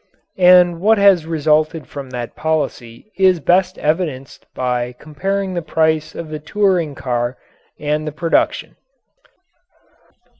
And what has resulted from that policy is best evidenced by comparing the price of the touring car and the production.